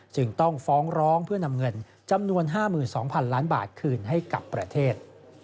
จึงต้องฟ้องร้องเพื่อนำเงินจำนวน๕๒๐๐๐ล้านบาทคืนให้กับประเทศ